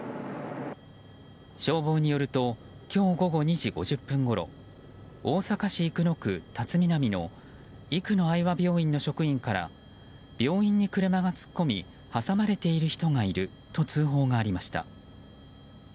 消防によると今日午後２時５０分ごろ大阪市生野区巽南の生野愛和病院の職員から病院に車が突っ込み挟まれている人がいると通報がありました。